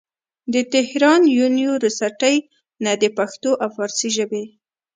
د تهران يونيورسټۍ نه د پښتو او فارسي ژبې